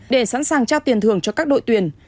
để sẵn sàng trao tiền thưởng cho các đội tuyển